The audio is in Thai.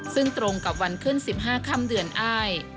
ซึ่งตรงกับวันขึ้น๑๕ค่ำเดือนอ้าย